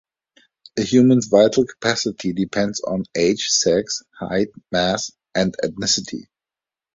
A human's vital capacity depends on age, sex, height, mass, and ethnicity.